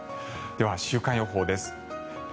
では週間予報です。